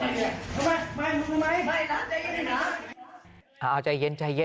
อิสระแชล็นด์ให้มันเร็ว